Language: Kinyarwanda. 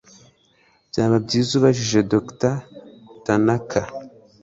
Byaba byiza ubajije Dr Tanaka